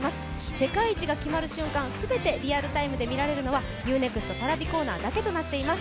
世界一が決まる瞬間すべてリアルタイムで見られるのは、Ｕ−ＮＥＸＴＰａｒａｖｉコーナーだけとなっています